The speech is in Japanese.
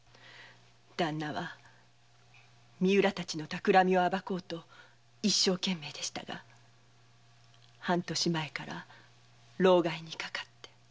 ダンナは三浦たちのたくらみを暴こうと一生懸命でしたが半年前から労咳にかかって。